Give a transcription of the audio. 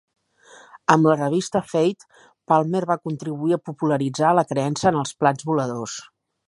Amb la revista "Fate", Palmer va contribuir a popularitzar la creença en els plats voladors.